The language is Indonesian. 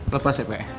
lepas ya pak